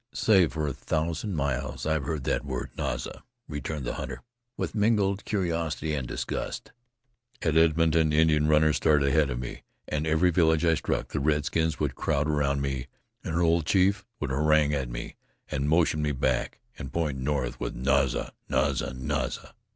"Say, for a thousand miles I've heard that word Naza!" returned the hunter, with mingled curiosity and disgust. "At Edmonton Indian runners started ahead of me, and every village I struck the redskins would crowd round me and an old chief would harangue at me, and motion me back, and point north with Naza! Naza! Naza!